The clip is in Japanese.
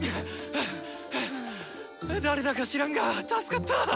誰だか知らんが助かった。